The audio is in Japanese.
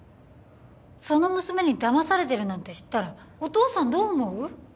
その娘にだまされてるなんて知ったらお父さんどう思う？